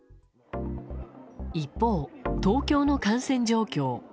一方、東京の感染状況。